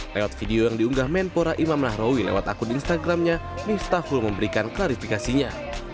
lewat video yang diunggah menpora imam lahrawi lewat akun instagramnya lifta hul memberikan klarifikasinya